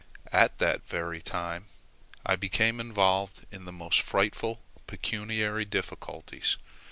At that very time I became involved in the most frightful pecuniary difficulties.